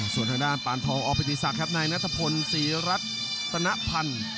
ส่วนด้านปานทองออภิติศักดิ์ครับในนัทพลศรีรัตนภัณฑ์